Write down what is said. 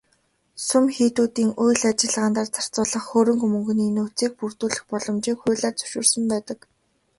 Сүм хийдүүдийн үйл ажиллагаандаа зарцуулах хөрөнгө мөнгөний нөөцийг бүрдүүлэх боломжийг хуулиар зөвшөөрсөн байдаг.